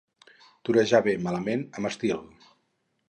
Torejar bé, malament, amb estil.